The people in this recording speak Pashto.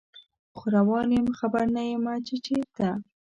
خو روان یم خبر نه یمه چې چیرته